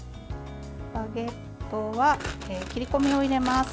バゲットは切り込みを入れます。